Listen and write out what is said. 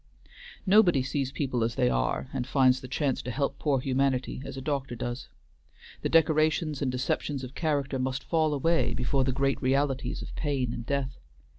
Nobody sees people as they are and finds the chance to help poor humanity as a doctor does. The decorations and deceptions of character must fall away before the great realities of pain and death.